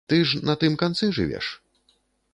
Ты ж на тым канцы жывеш?